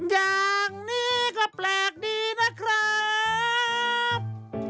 อย่างนี้ก็แปลกดีนะครับ